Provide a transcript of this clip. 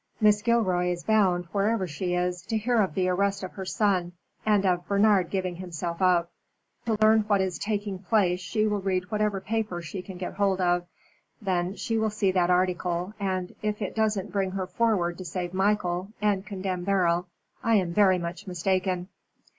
Mrs. Gilroy is bound, wherever she is, to hear of the arrest of her son, and of Bernard giving himself up. To learn what is taking place she will read whatever papers she can get hold of. Then she will see that article, and if it doesn't bring her forward to save Michael and condemn Beryl, I am very much mistaken."